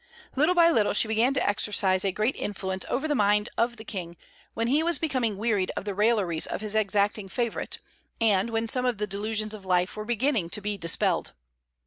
Little by little she began to exercise a great influence over the mind of the King when he was becoming wearied of the railleries of his exacting favorite, and when some of the delusions of life were beginning to be dispelled.